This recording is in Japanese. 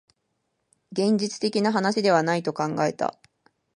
現実的な話ではないと考えた